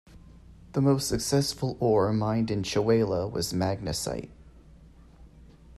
The most successful ore mined in Chewelah was magnesite.